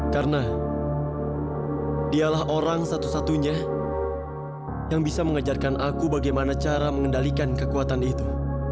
karena dialah orang satu satunya yang bisa mengajarkan aku bagaimana cara mengendalikan kekuatan itu